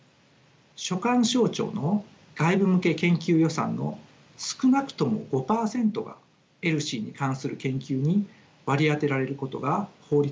所管省庁の外部向け研究予算の少なくとも５％がＥＬＳＩに関する研究に割り当てられることが法律で定められました。